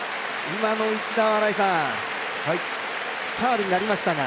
今の一打はファウルになりましたが。